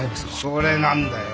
それなんだよ。